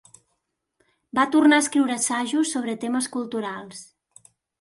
Va tornar a escriure assajos sobre temes culturals.